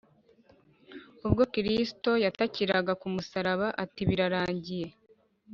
ubwo kristo yatakiraga ku musaraba ati, “birarangiye”